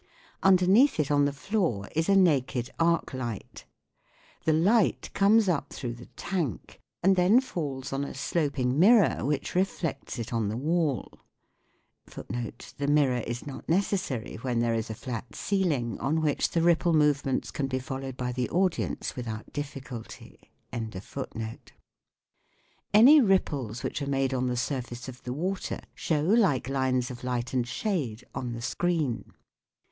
Underneath it on the floor is a naked arc light. The light comes up through the tank and then falls on a sloping mirror * which reflects 1 The mirror is not necessary when there is a flat ceiling, on which the ripple movements can be followed by the audience without difficulty. 14 THE WORLD OF SOUND it on the wall. Any ripples which are made on the surface of the water show like lines of light and shade on the screen.